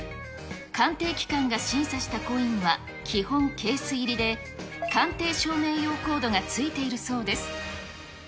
鑑定機関が審査したコインは基本ケース入りで、鑑定証明用コードが付いているそうです。